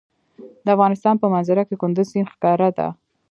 د افغانستان په منظره کې کندز سیند ښکاره ده.